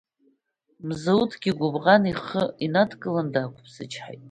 Мзауҭгьы гәыбӷан ихы инадкыланы даақәыԥсычҳаит.